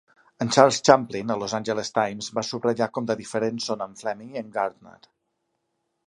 En Charles Champlin, a "Los Angeles Times", va subratllar com de diferents són en Fleming i en Gardner.